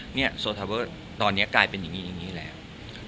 โซทาเวอร์ตอนนี้กลายเป็นอย่างนี้อย่างนี้แล้ว